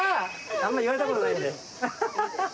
あんま言われたことないんで。